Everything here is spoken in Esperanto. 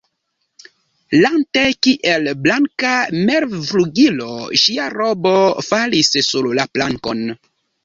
Lante, kiel blanka mevflugilo, ŝia robo falis sur la plankon.